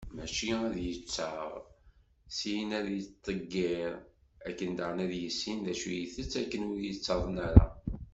Mačči ad d-yettaɣ, syin ad yettḍeggir, akken daɣen ad yissin d acu i itett akken ur yettaḍen ara.